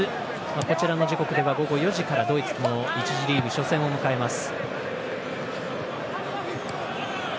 こちらの時刻では午後４時からドイツと１次リーグ初戦を迎えます。